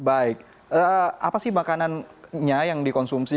baik apa sih makanannya yang dikonsumsi